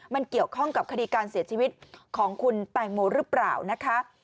มันเกี่ยวข้องกับคดีการเสียชีวิตของคุณแตงโมหรือเปล่านะคะ